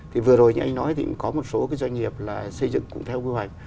thì vừa rồi như anh nói thì có một số doanh nghiệp là xây dựng cũng theo quy hoạch